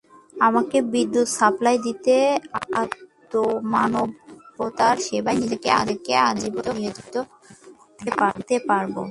আমাকে বিদ্যুৎ সাপ্লাই দিলে আর্তমানবতার সেবায় নিজেকে আজীবন নিয়োজিত রাখতে পারব।